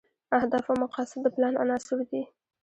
اهداف او مقاصد د پلان عناصر دي.